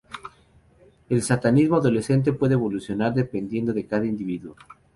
El satanismo adolescente puede evolucionar dependiendo de cada individuo.